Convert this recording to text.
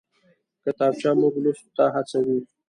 کتابچه موږ لوستو ته هڅوي